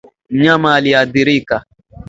mnyama aliyeathirika